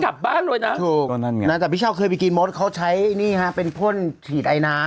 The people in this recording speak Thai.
เราก็จะที่นี่กลับบ้านเลยนะถูกแต่พี่เช้าเคยไปกินโมดเขาใช้เป็นพ่นฉีดอายน้ำ